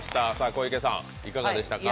小池さん、いかがでしたか？